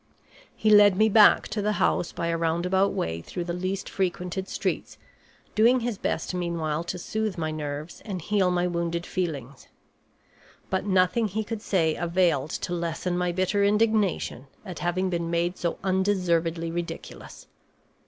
He led me back to the house by a roundabout way through the least frequented streets, doing his best meanwhile to soothe my nerves and heal my wounded feelings. But nothing he could say availed to lessen my bitter indignation at having been made so undeservedly ridiculous.